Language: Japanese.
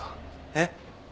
えっ？